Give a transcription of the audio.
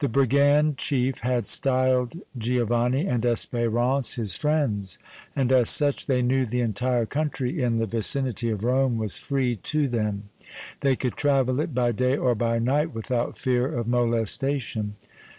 The brigand chief had styled Giovanni and Espérance his friends, and as such they knew the entire country in the vicinity of Rome was free to them; they could travel it by day or by night without fear of molestation.